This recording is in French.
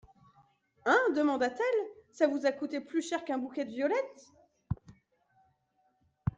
Hein ? demanda-t-elle, ça vous a coûté plus cher qu'un bouquet de violettes.